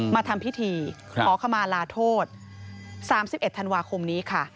มาทำพิธีขอขมาลาโทษ๓๑ธันวาคมนี้ค่ะ